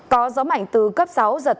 có gió mạnh từ cấp sáu giật từ cấp một mươi hai